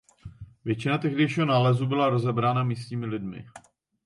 Většina tehdejšího nálezu byla rozebrána místními lidmi.